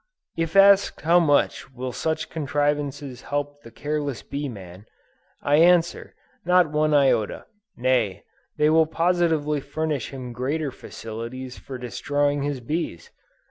If asked how much will such contrivances help the careless bee man, I answer, not one iota; nay, they will positively furnish him greater facilities for destroying his bees.